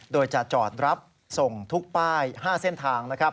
โดยจะจอดรับส่งทุกป้าย๕เส้นทาง